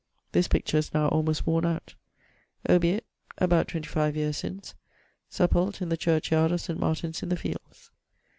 This picture is now almost worne out. Obiit ... (about 25 years since): sepult. in the church yard of St. Martin's in the fields.